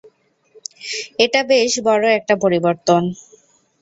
এটা বেশ বড় একটা পরিবর্তন।